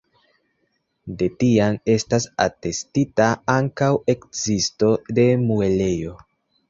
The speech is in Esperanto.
De tiam estas atestita ankaŭ ekzisto de muelejo.